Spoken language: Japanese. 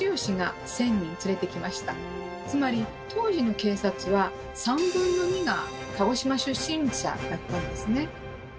つまり当時の警察は３分の２が鹿児島出身者だったんですね。